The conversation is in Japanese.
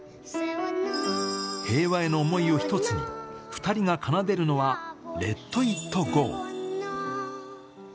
平和への思いを一つに、２人が奏でるのはＬｅｔＩｔＧｏ。